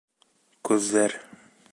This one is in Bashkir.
Күҙҙәр